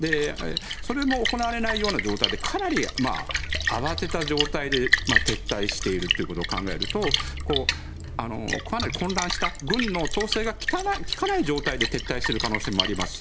それも行われないような状態でかなり慌てた状態で撤退しているということを考えるとかなり混乱した軍の統制が利かない状況で撤退している可能性もあります。